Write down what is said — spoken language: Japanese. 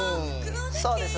そうです